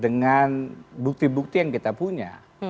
dengan bukti bukti yang kita punya